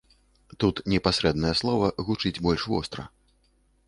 Тут непасрэднае слова гучыць больш востра.